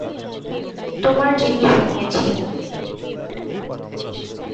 তোমার জিনিসও নিয়েছি।